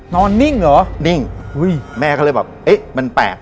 นอนนิ่งเหรอนิ่งแม่ก็เลยแบบมันแปลก